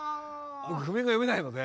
僕譜面が読めないので。